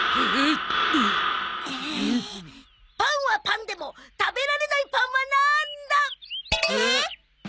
「パンはパンでも食べられないパンはなんだ？」えっ？